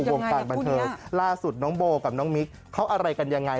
วงการบันเทิงล่าสุดน้องโบกับน้องมิ๊กเขาอะไรกันยังไง